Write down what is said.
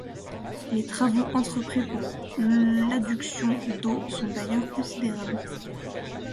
Les travaux entrepris pour l'adduction d'eau sont d'ailleurs considérables.